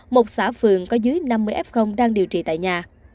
một xã phường có dưới năm mươi f đang điều trị tại nhà